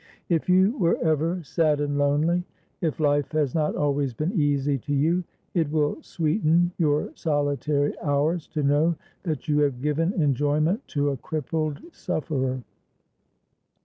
"If you were ever sad and lonely, if life has not always been easy to you, it will sweeten your solitary hours to know that you have given enjoyment to a crippled sufferer.